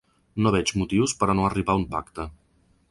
No veig motius per a no arribar a un pacte.